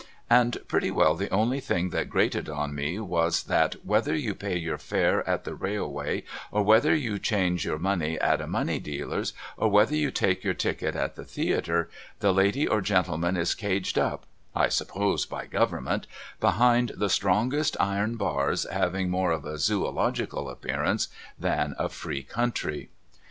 And pretty well the only thing that grated on me M'as that whether you pay your fare at the railway or whether you change your money at a money dealer's or whether you take your ticket at the theatre, the lady or gentleman is caged up (I suppose by government) behind the strongest iron bars having more of a Zoological appearance than a free country.